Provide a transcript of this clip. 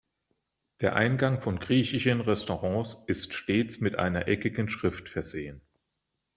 Der Eingang von griechischen Restaurants ist stets mit einer eckigen Schrift versehen.